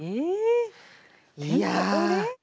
いや。